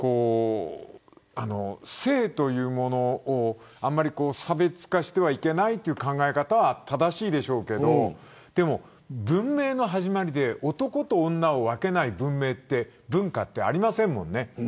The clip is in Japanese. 性というものを差別化してはいけないという考え方は正しいでしょうけどでも文明の始まりで男と女を分けない文明文化ってありませんもんね。